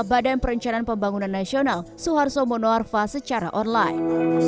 badan perencanaan pembangunan nasional suharto monoarfa secara online